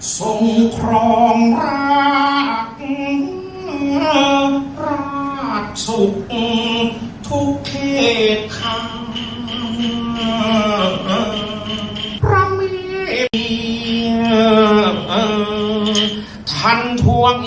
ทรงพร้อมรักรักทุกข์ทุกข์เขตข้าง